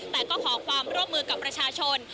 แต่ก็ขอความร่วมมือกับประชาชน